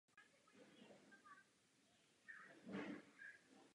Hlavním problémem však zůstává potřeba zvýšit zemědělskou produktivitu ve světě.